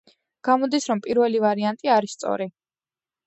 გამოდის რომ პირველი ვარიანტი არის სწორი.